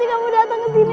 ketika kamu datang ke sini